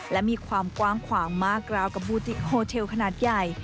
และมีความกว้างขวางมากราวกับบูจิโฮเทลขนาดใหญ่